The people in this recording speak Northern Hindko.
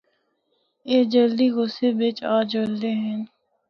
اے جلدی غصے بچ آ جلدے ہن۔